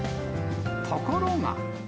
ところが。